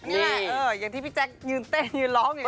อย่างที่พี่แจ๊คยืนเต้นยืนร้องอยู่